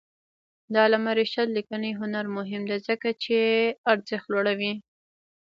د علامه رشاد لیکنی هنر مهم دی ځکه چې ارزښت لوړوي.